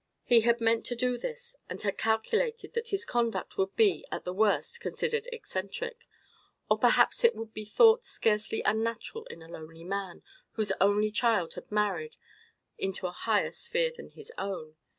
He had meant to do this, and had calculated that his conduct would be, at the worst, considered eccentric; or perhaps it would be thought scarcely unnatural in a lonely man, whose only child had married into a higher sphere than his own.